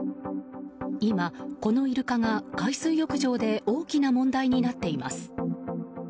今、このイルカが海水浴場で大きな問題になっています。